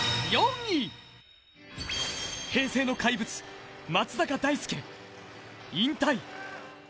平成の怪物、松坂大輔、引退。